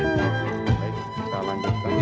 nanti kita berjumpa